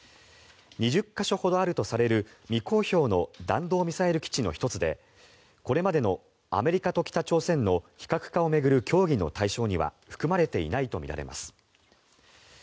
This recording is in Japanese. ２０か所ほどあるとされる未公表の弾道ミサイル基地の１つでこれまでのアメリカと北朝鮮の非核化を巡る協議の対象には含まれていないとみられます。